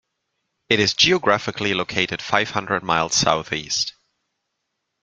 It is geographically located five hundred miles south-east.